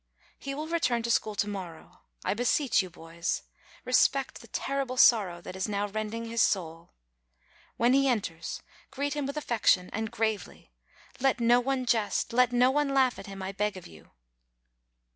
He will return to school tO' morrow. I beseech you, boys, respect the terrible sorrow that is now rending his soul. When he enters, greet him with affection, and gravely; let no one jest, let no one laugh at him, I beg of you."